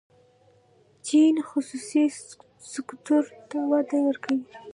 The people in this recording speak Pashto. چین خصوصي سکتور ته وده ورکوي.